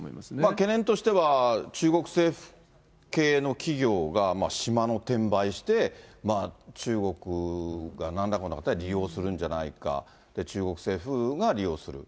懸念としては、中国政府系の企業が島の転売をして、中国がなんらかの形で利用するんじゃないか、で、中国政府が利用する。